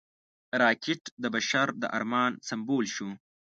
راکټ د بشر د ارمان سمبول شو